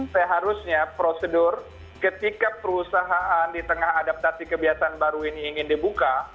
seharusnya prosedur ketika perusahaan di tengah adaptasi kebiasaan baru ini ingin dibuka